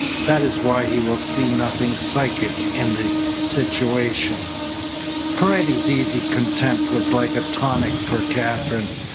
That is why he will see nothing psychic in the situation." Paredes's easy contempt was like a tonic for Katherine.